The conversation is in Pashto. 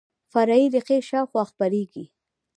فرعي ریښې شاوخوا خپریږي